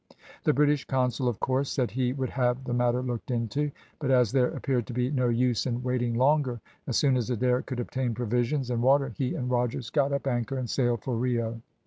The British consul, of course, said he would have the matter looked into, but as there appeared to be no use in waiting longer, as soon as Adair could obtain provisions and water, he and Rogers got up anchor and sailed for Rio.